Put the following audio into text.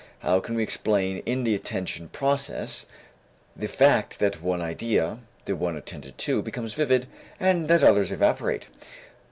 How can we explain in the attention process the fact that one idea, the one attended to, becomes vivid and that others evaporate?